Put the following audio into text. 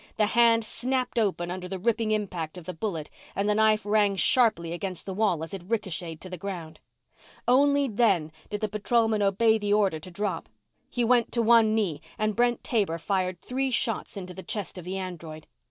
The hand snapped open under the ripping impact of the bullet and the knife rang sharply against the wall as it ricocheted to the ground. Only then, did the patrolman obey the order to drop. He went to one knee and Brent Taber fired three shots into the chest of the android.